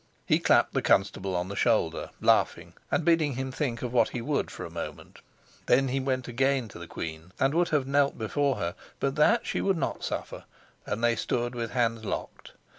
He clapped the constable on the shoulder, laughing, and bidding him think of what he would for a moment; then he went again to the queen and would have knelt before her, but that she would not suffer, and they stood with hands locked.